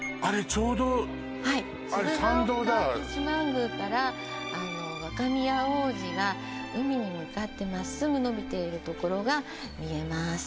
ちょうどあれ鶴岡八幡宮から若宮大路が海に向かってまっすぐのびているところが見えます